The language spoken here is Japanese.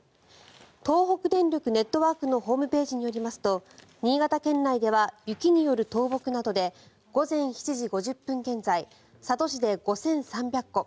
東北電力ネットワークのホームページによりますと新潟県内では雪による倒木などで午前７時５０分現在佐渡市で５３００戸